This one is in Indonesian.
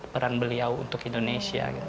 peran beliau untuk indonesia